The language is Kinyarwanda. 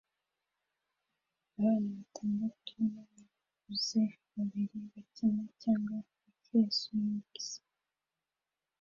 Abana batandatu nabakuze babiri bakina cyangwa hafi ya swing set